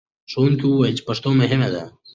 ښوونکي وویل چې پښتو مهمه ده.